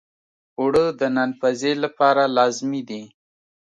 اوړه د نان پزی لپاره لازمي دي